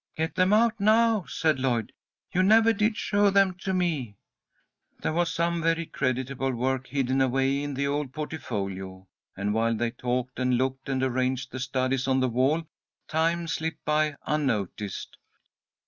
"Get them out now," said Lloyd. "You never did show them to me." There was some very creditable work hidden away in the old portfolio, and, while they talked and looked and arranged the studies on the wall, time slipped by unnoticed.